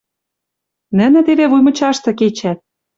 Нӹнӹ теве вуй мычашты кечӓт